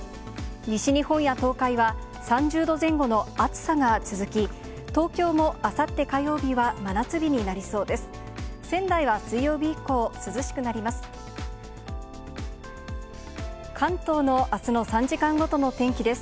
西日本や東海は３０度前後の暑さが続き、東京もあさって火曜日は真夏日になりそうです。